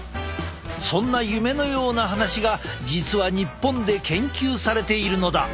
そんな夢のような話が実は日本で研究されているのだ！